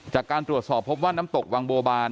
จากการตรวจสอบพบว่าน้ำตกวังบัวบาน